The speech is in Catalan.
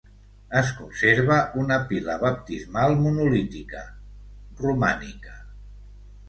Es conserva una pila baptismal monolítica, romànica.